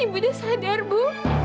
ibu udah sadar bu